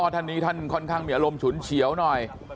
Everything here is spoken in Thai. ท่านนี้ท่านค่อนข้างมีอารมณ์ฉุนเฉียวหน่อย